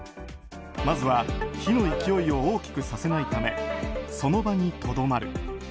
まずは火の勢いを大きくさせないためその場にとどまる。